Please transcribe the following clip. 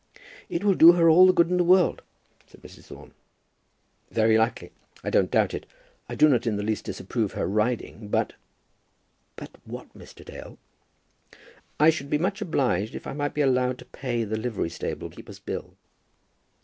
"It will do her all the good in the world," said Mrs. Thorne. "Very likely. I don't doubt it. I do not in the least disapprove her riding. But " "But what, Mr. Dale?" "I should be so much obliged if I might be allowed to pay the livery stable keeper's bill."